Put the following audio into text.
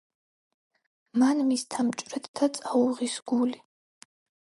მან მისთა მჭვრეთთა წაუღის გული